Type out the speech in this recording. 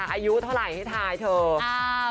อายุเท่าไหร่ให้ทายเถอะ